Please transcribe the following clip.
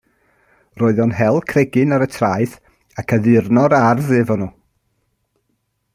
Roedd o'n hel cregyn ar y traeth ac addurno'r ardd hefo nhw.